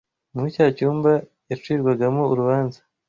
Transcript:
muri cya cyumba yacirwagamo urubanza,